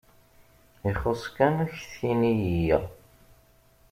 Ixuṣṣ kan ad k-tini yya.